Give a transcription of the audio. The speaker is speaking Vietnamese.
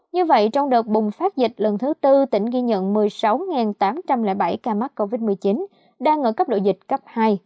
như vậy trong đợt bùng phát dịch lần thứ tư tỉnh ghi nhận một mươi sáu tám trăm linh bảy ca mắc covid một mươi chín đang ở cấp độ dịch cấp hai